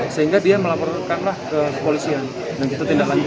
sehingga dia melaporkanlah ke polisian dan kita tindak lanjut